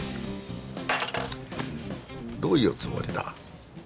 どういうつもりだ？